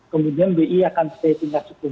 kemudian bi akan setelah tinggal